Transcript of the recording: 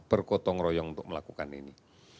bergotong royong untuk melakukan ini